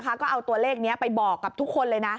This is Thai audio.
ก็เอาตัวเลขนี้ไปบอกกับทุกคนเลยนะ